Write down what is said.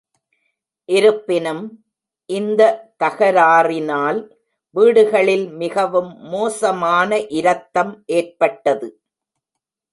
இருப்பினும், இந்த தகராறினால் வீடுகளில் மிகவும் மோசமான இரத்தம் ஏற்பட்டது.